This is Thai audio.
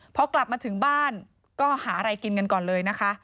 พอกลับมาถึงบ้านก็หาอะไรกินกันก่อนเลยนะคะ